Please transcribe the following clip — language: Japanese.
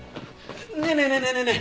ねえねえねえねえねえねえ！